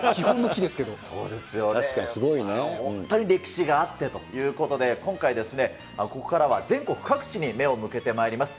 本当に歴史があってということで、今回ですね、ここからは全国各地に目を向けてまいります。